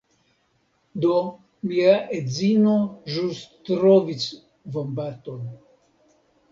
Do, mia edzino ĵus trovis vombaton.